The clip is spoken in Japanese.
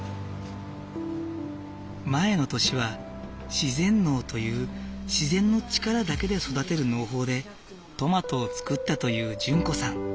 前の年は自然農という自然の力だけで育てる農法でトマトを作ったという淳子さん。